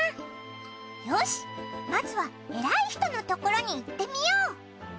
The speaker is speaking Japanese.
よしまずは偉い人のところに行ってみよう。